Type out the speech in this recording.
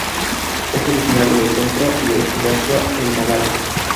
Es originario del centro y oeste de Asia e Himalaya.